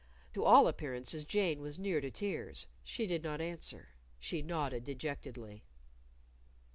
To all appearances Jane was near to tears. She did not answer. She nodded dejectedly.